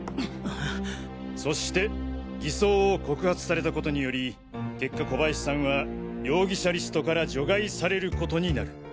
そして偽装を告発されたことにより結果小林さんは容疑者リストから除外されることになる。